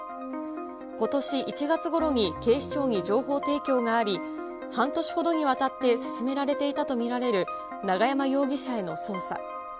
ことし１月ごろに警視庁に情報提供があり、半年ほどにわたって進められていたと見られる永山容疑者への捜査。